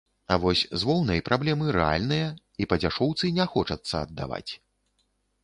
А вось з воўнай праблемы рэальныя, і па дзяшоўцы не хочацца аддаваць.